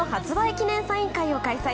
記念サイン会を開催。